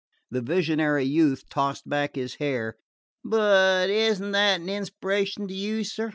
The visionary youth tossed back his hair. "But isn't that an inspiration to you, sir?"